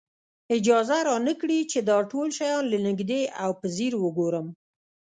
اجازه را نه کړي چې دا ټول شیان له نږدې او په ځیر وګورم.